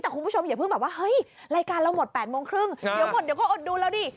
แต่คุณผู้ชมอย่าเพิ่งแบบว่าเฮ้ยรายการเราหมด๘โมงครึ่งเดี๋ยวหมดเดี๋ยวก็อดดูแล้วดิ